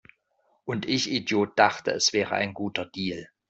Und ich Idiot dachte, es wäre ein guter Deal!